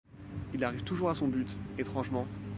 Il arrive toujours à son but, étrangement.